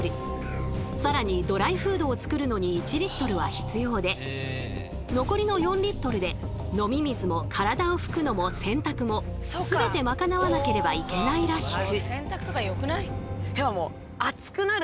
さらにドライフードを作るのに１は必要で残りの４で飲み水も体を拭くのも洗濯も全て賄わなければいけないらしく。